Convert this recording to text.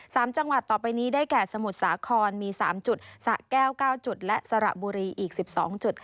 สามจังหวัดต่อไปนี้ได้แก่สมุทรสาครมีสามจุดสะแก้วเก้าจุดและสระบุรีอีกสิบสองจุด